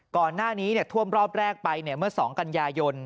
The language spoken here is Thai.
ก่อนหน้านี้เนี่ยท่วมรอบแรกไปเนี่ยเมื่อ๒กันยายน